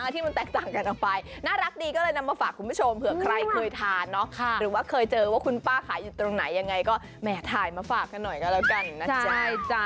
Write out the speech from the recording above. ถ้าเจอว่าคุณป้าขายอยู่ตรงไหนยังไงก็แหม่ถ่ายมาฝากกันหน่อยก็แล้วกันนะจ๊ะ